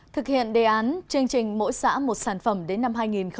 thực hiện đề án chương trình mỗi xã một sản phẩm đến năm hai nghìn ba mươi